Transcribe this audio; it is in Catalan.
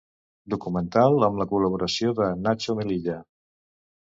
Documental amb la col·laboració de Natxo Melilla.